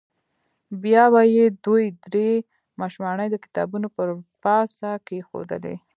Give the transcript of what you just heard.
بیا به یې دوې درې مشواڼۍ د کتابونو پر پاسه کېښودلې.